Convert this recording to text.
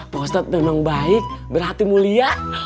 pak ustadz memang baik berarti mulia